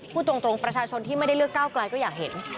พูดตรงประชาชนที่ไม่ได้เลือกก้าวไกลก็อยากเห็น